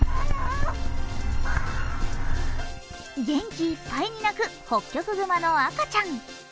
元気いっぱいに鳴くホッキョクグマの赤ちゃん。